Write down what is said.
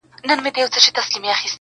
ټولنه ورو ورو بدلېږي لږ,